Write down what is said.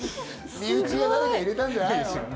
身内が誰か入れたんじゃないの？